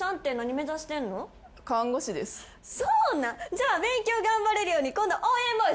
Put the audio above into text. じゃあ勉強頑張れるように今度応援ボイス送るわな。